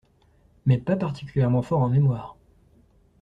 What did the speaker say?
Mais pas particulièrement forts en mémoire.